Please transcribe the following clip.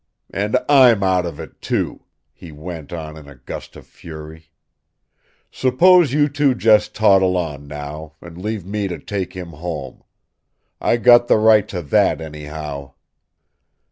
And I'M out of it too!" he went on in a gust of fury. "S'pose you two just toddle on, now, and leave me to take him home. I got the right to that, anyhow."